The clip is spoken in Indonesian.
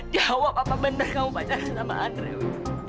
jawab apa bener kamu pacaran sama andre wi